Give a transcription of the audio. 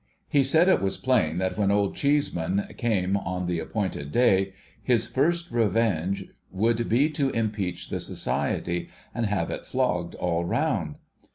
He said it was plain that when Old Cheeseinan came on the api)ointed day, his first revenge would be to impeach the Society, and have it flogged all round.